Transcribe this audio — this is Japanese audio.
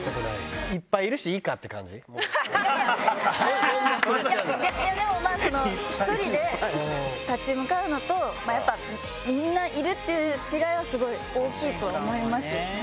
いっぱいいるしいでもまあ、その、１人で立ち向かうのと、やっぱ、みんないるっていう違いはすごい大きいと思います。